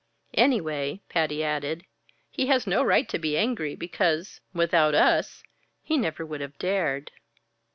"Anyway," Patty added, "he has no right to be angry, because without us he never would have dared."